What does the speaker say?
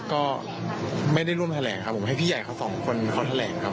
ใช่ไม่ได้ร่วมแทรกผมให้พี่ไยด์เขาสองคนเขาแทรกครับ